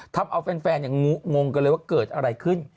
ทำเอาแฟนงงกันเลยว่าเกิดอะไรขึ้น